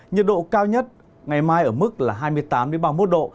nhiệt độ cao nhất ngày mai ở mức là hai mươi tám ba mươi một độ